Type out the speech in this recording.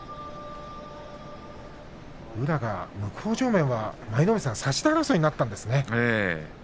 宇良が向正面は舞の海さん差し手争いになったんですね。